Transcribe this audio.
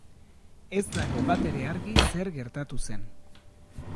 Ez dago batere argi zer gertatu zen.